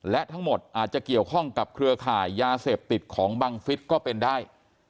และทั้งหมดอาจจะเกี่ยวข้องกับเครือข่ายยาเสพติดของบังฟิศก็เป็นได้